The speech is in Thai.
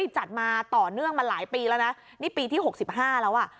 จัดมาต่อเนื่องมาหลายปีแล้วนะนี่ปีที่๖๕แล้วอ่ะ